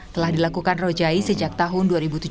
telah dilakukan rojai sejak tahun dua ribu tujuh belas